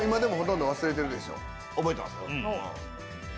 覚えてますよ。